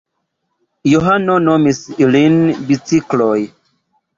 Johano nomis ilin bicikloj.